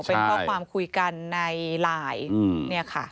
เป็นข้อความคุยกันในไลน์เนี่ยค่ะ